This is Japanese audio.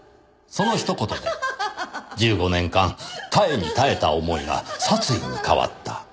その一言で１５年間耐えに耐えた思いが殺意に変わった。